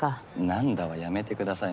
何だはやめてください。